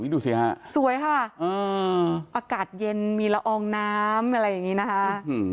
ดูสิฮะสวยค่ะอากาศเย็นมีละอองน้ำอะไรอย่างนี้นะคะ